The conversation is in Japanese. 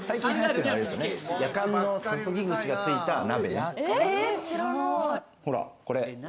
やかんの注ぎ口が付いた鍋ね。